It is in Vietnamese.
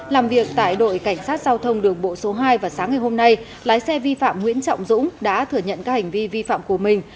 làm việc tại đội cảnh sát giao thông đường bộ số hai vào sáng ngày hôm nay lái xe vi phạm nguyễn trọng dũng đã thừa nhận các hành vi vi phạm của mình